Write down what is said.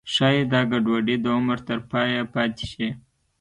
ښایي دا ګډوډي د عمر تر پایه پاتې شي.